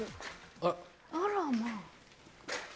あらまぁ。